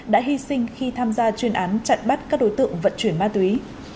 đã hy sinh khi tham gia chuyên án chặn bắt các đối tượng vận chuyển ma túy